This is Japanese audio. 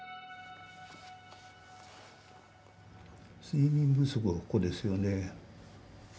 睡眠不足はここですよね。